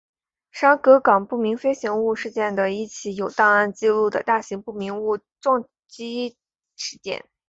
沙格港不明飞行物事件的一起有档案记录的大型不明物体撞击事件。